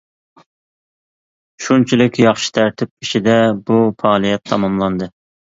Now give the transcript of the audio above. شۇنچىلىك ياخشى تەرتىپ ئىچىدە بۇ پائالىيەت تاماملاندى.